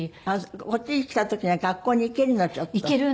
こっちに来た時には学校に行けるの？